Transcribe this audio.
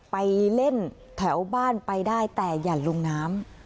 ไปเล่นแถวบ้านไปได้แต่อย่าลงน้ำ